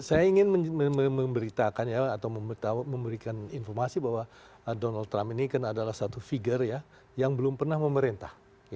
saya ingin memberitakan atau memberikan informasi bahwa donald trump ini kan adalah satu figure ya yang belum pernah memerintah